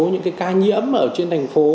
những cái ca nhiễm ở trên thành phố